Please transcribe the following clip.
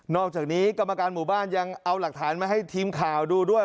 อกจากนี้กรรมการหมู่บ้านยังเอาหลักฐานมาให้ทีมข่าวดูด้วย